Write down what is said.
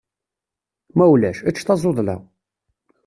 Ma ulac, ečč tazuḍla.